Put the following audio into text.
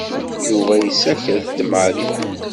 Yuba yessaked-d Mary.